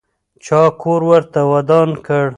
چا کور ورته ودان کړ؟